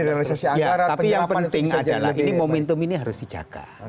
tapi yang penting adalah ini momentum ini harus dijaga